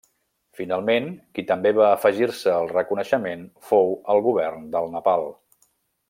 Finalment, qui també va afegir-se al reconeixement fou el govern del Nepal.